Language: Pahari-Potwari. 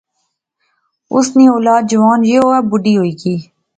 اس نی اولاد جوان یہ او بڈھا ہوئی گیا